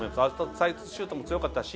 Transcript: サイドシュートも強かったし。